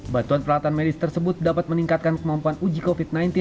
bantuan peralatan medis tersebut dapat meningkatkan kemampuan uji covid sembilan belas